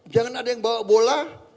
jangan ada yang bawa bola